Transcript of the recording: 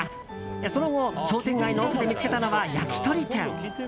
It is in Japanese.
その後、商店街の奥で見つけたのは焼き鳥店。